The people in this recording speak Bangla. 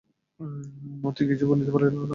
মতি কিছু বলিতে পারিল না।